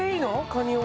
カニを？